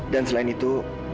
dan selain itu